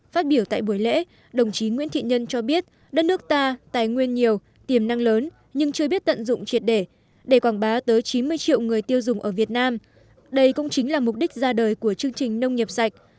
phát biểu tại buổi lễ đồng chí nguyễn thị nhân cho biết đất nước ta tài nguyên nhiều tiềm năng lớn nhưng chưa biết tận dụng triệt để để quảng bá tới chín mươi triệu người tiêu dùng ở việt nam đây cũng chính là mục đích ra đời của chương trình nông nghiệp sạch